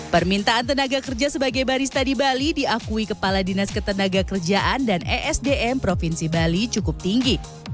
permintaan tenaga kerja sebagai barista di bali diakui kepala dinas ketenaga kerjaan dan esdm provinsi bali cukup tinggi